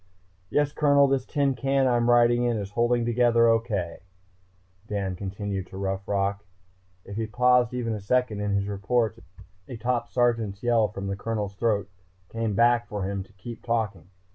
"Yes, Colonel, this tin can I'm riding is holding together okay," Dan continued to Rough Rock. If he paused even a second in his reports a top sergeant's yell from the Colonel's throat came back for him to keep talking.